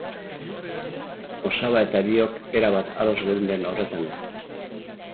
Osaba eta biok erabat ados geunden horretan.